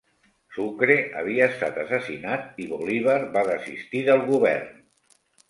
Sucre havia estat assassinat i Bolívar va desistir del govern.